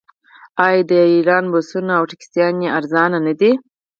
آیا د ایران بسونه او ټکسیانې ارزانه نه دي؟